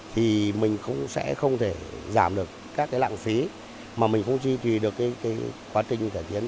thì mình sẽ không thể giảm được các lạng phí mà mình không duy trì được quá trình cải tiến